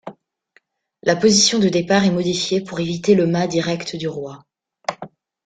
La position de départ est modifiée pour éviter le mat direct du roi.